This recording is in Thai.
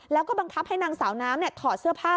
แล้วก็บังคับให้นางสาวน้ำถอดเสื้อผ้า